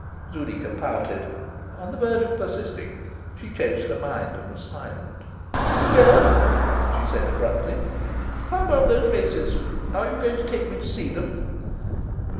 Zuleika pouted. On the verge of persisting, she changed her mind, and was silent. "Well!" she said abruptly, "how about these races? Are you going to take me to see them?"